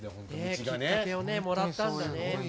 きっかけをもらったんだね。